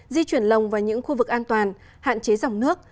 di chuyển lồng vào những khu vực an toàn hạn chế dòng nước